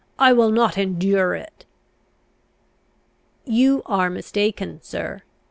I will not endure it." "You are mistaken, sir.